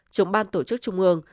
chống ban tổ chức trung ương